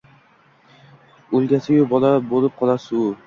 Ulg’aysayu bola bo’lib qolsa u